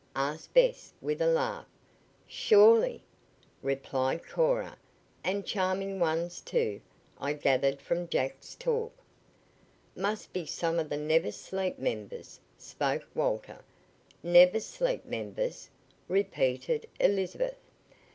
asked Bess with a laugh. "Surely," replied Cora; "and charming ones, too, I gathered from Jack's talk." "Must be some of the Never Sleep members," spoke Walter. "Never Sleep members?" repeated Elizabeth.